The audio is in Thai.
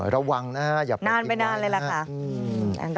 ระวังนะฮะอย่าเปิดปิดไว้นานไปนานเลยล่ะค่ะ